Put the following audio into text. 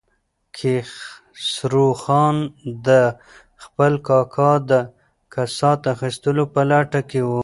کیخسرو خان د خپل کاکا د کسات اخیستلو په لټه کې و.